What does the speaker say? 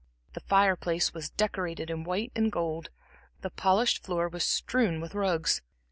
The fire place was decorated in white and gold, the polished floor was strewn with rugs.